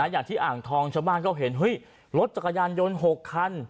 อย่างที่อ่างทองชาวบ้านก็เห็นรถจักรยานยนต์๖คัน